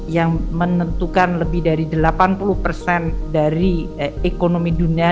yang menentukan lebih dari delapan puluh persen dari ekonomi dunia